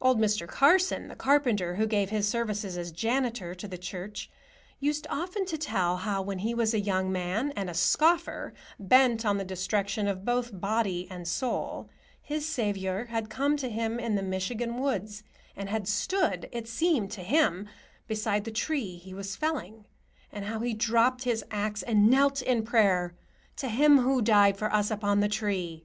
Old Mr. Carsen, the carpenter, who gave his services as janitor to the church, used often to tell how, when he was a young man and a scoffer, bent on the destruction of both body and soul, his Saviour had come to him in the Michigan woods and had stood, it seemed to him, beside the tree he was felling; and how he dropped his axe and knelt in prayer "to Him who died for us upon the tree."